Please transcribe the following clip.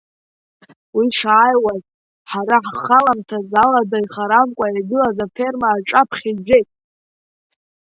Уи шааиуаз, ҳара ҳхаламҭаз алада ихарамкәа игылаз аферма аҿаԥхьа иԥжәеит.